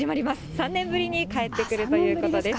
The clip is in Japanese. ３年ぶりに帰ってくるということです。